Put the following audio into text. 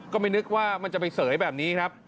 ก็ไม่นึกว่ามันจะไปเสยแบบนี้ครับ